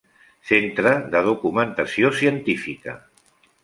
Centre de Documentació Científica.